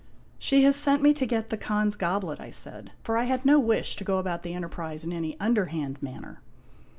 " She has sent me to get the Khan's goblet," I said, for I had no wish to go about the enterprise in any underhand manner.